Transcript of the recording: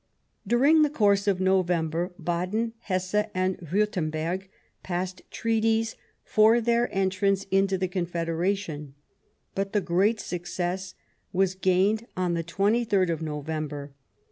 During the course of November, Baden, Hesse, and Wiirtemberg passed Treaties for their entrance into the Confederation, but the great of Bavai1a°° success was gained on the 23rd of Novem ber.